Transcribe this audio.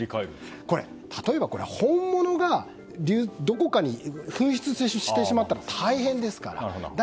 例えば、本物がどこかに紛失してしまったら大変ですから。